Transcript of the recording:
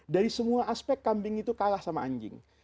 dari semua aspek kambing itu kalah sama anjing